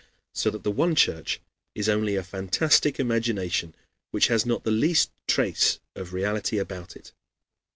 So that the one Church is only a fantastic imagination which has not the least trace of reality about it.